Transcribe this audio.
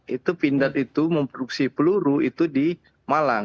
itu pindad itu memproduksi peluru itu di malang